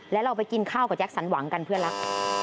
แล้วเราไปกินข้าวกับแก๊สันหวังกันเพื่อรัก